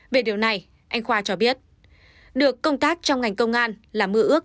về điều này anh khoa cho biết được công tác trong ngành công an là mơ ước